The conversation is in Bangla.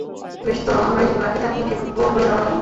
বেশ তো, আমারই যদি বাকি থাকে সেটুকু পূরণ করেই দাও-না কেন?